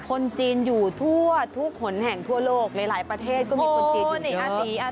คนจีนอยู่ทั่วทุกหนแห่งทั่วโลกหลายประเทศก็มีคนจีน